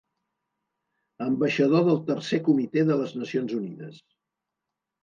Ambaixador del Tercer Comitè de les Nacions Unides.